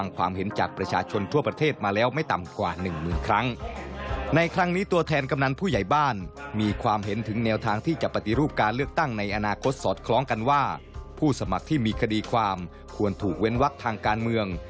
ควรถูกเว้นวักทางการเมือง